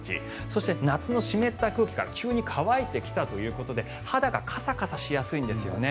そして、夏の湿った空気から急に乾いてきたということで肌がカサカサしやすいんですよね。